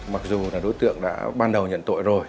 mặc dù là đối tượng đã ban đầu nhận tội rồi